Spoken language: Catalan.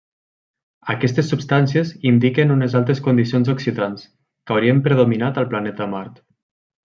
Aquestes substàncies indiquen unes altes condicions oxidants que haurien predominat al planeta Mart.